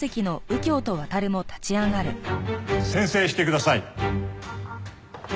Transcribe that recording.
宣誓してください。